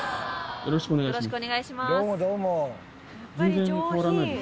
よろしくお願いします。